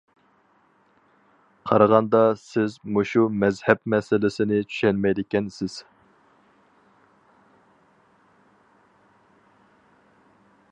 قارىغاندا سىز مۇشۇ مەزھەپ مەسىلىسىنى چۈشەنمەيدىكەنسىز.